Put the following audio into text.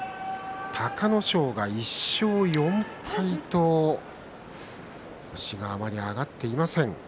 隆の勝が１勝４敗と星があまり挙がっていません。